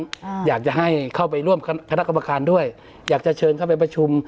อ่าอยากจะให้เข้าไปร่วมคณะกรรมการด้วยอยากจะเชิญเข้าไปประชุม